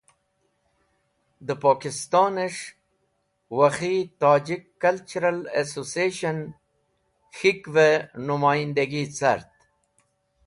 De Pokiston es̃h Wakhi Tajik Cultural Association (WTCA) K̃hikve Numoyindagi cart.